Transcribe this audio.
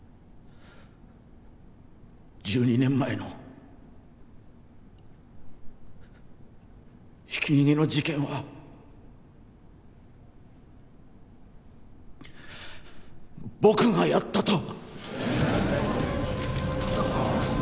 １２年前のひき逃げの事件は僕がやったと。